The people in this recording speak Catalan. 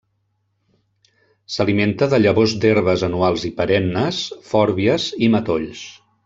S'alimenta de llavors d'herbes anuals i perennes, fòrbies i matolls.